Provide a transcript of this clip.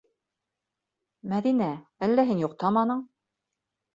Мәҙинә, әллә һин йоҡтаманың?